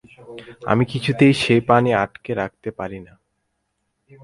আমি কিছুতেই সেই পানি আটকে রাখতে পারি না।